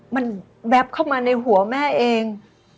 มันแวบเข้ามาในหัวแม่เอง